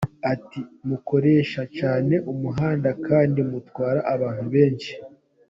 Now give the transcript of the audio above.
Ati “Mukoresha cyane umuhanda kandi mutwara abantu benshi.